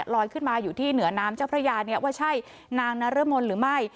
ลอยขึ้นมาอยู่ที่เหนือน้ำเจ้าพระยาว่าใช่นางน้าเริ่มมนตร์หรือไม่